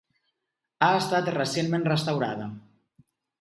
Ha estat recentment restaurada.